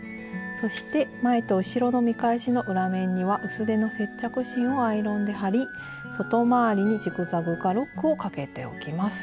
そして前と後ろの見返しの裏面には薄手の接着芯をアイロンで貼り外回りにジグザグかロックをかけておきます。